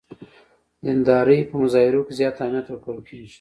دیندارۍ په مظاهرو کې زیات اهمیت ورکول کېږي.